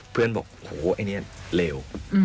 เพื่อนบอกโหไอเนี่ยเลว